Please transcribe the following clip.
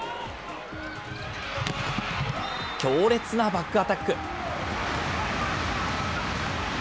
強烈なバックアタック。